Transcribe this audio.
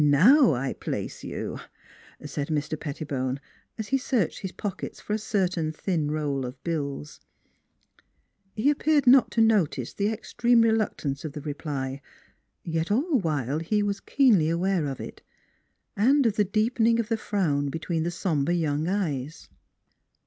Now I place you," said Mr. Pettibone, as he searched his pockets for a certain thin roll of bills. He appeared not to notice the extreme reluctance of the reply, yet all the while he was keenly aware of it, and of the deepening of the frown between the somber young eyes.